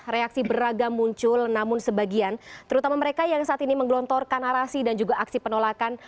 reaksi beragam muncul namun sebagian terutama mereka yang saat ini menggelontorkan narasi dan juga aksi penolakan